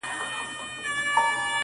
نیکه ویل چي دا پنځه زره کلونه کیږي!